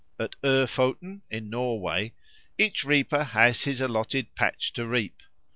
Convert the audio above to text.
At Oefoten, in Norway, each reaper has his allotted patch to reap.